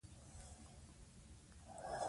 موږ باید د وخت قدر وکړو.